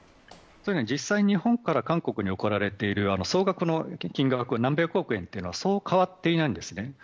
実際に日本から韓国に送られている総額の金額は、何百億円というのはそう変わっていないんですね。